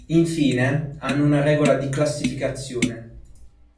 Infine, hanno una regola di classificazione.